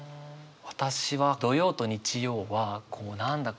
私は土曜と日曜はこう何だ？